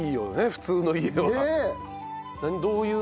普通の家は。